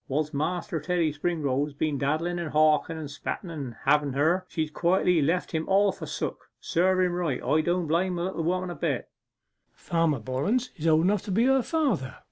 Whilst Master Teddy Springrove has been daddlen, and hawken, and spetten about having her, she's quietly left him all forsook. Serve him right. I don't blame the little woman a bit.' 'Farmer Bollens is old enough to be her father!